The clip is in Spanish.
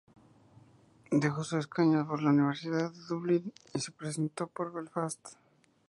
Dejó su escaño por la Universidad de Dublín y se presentó por Belfast.